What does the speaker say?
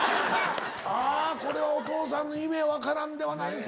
あぁこれはお父さんの夢は分からんではないです。